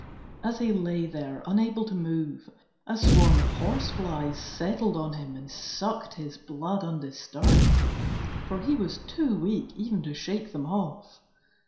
As he lay there unable to move, a swarm of horseflies settled on him and sucked his blood undisturbed, for he was too weak even to shake them off.